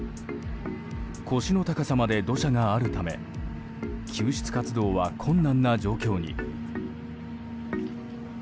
腰の高さまで土砂があるため救出活動は困難な状況に。